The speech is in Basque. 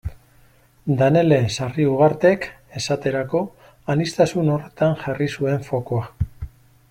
Danele Sarriugartek esaterako aniztasun horretan jarri zuen fokua.